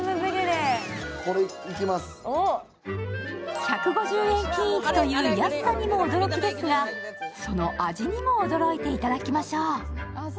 １５０円均一という安さにも驚きですがその味にも驚いていただきましょう。